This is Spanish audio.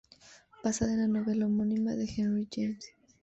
Basada en la novela homónima de Henry James.